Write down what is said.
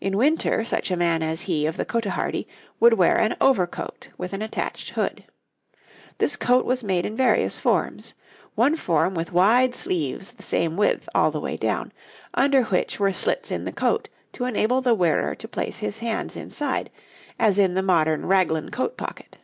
In winter such a man as he of the cotehardie would wear an overcoat with an attached hood. This coat was made in various forms: one form with wide sleeves the same width all the way down, under which were slits in the coat to enable the wearer to place his hands inside, as in the modern Raglan coat pocket.